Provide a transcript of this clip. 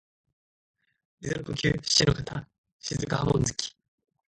水の呼吸漆ノ型雫波紋突き（しちのかたしずくはもんづき）